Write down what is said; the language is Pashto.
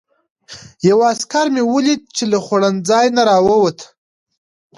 یو عسکر مې ولید چې له خوړنځای نه راووت.